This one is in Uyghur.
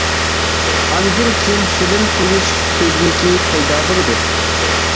ئاندىن كېيىن فىلىم قويۇش كۆزنىكى پەيدا بولىدۇ.